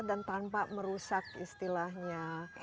dan tanpa merusak istilahnya